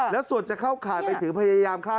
แล้วส่วนจะเข้าข่ายไปถึงพยายามฆ่า